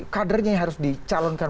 kadernya yang harus dicalonkan